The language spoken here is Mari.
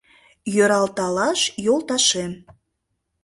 Йӧралталаш йолташем.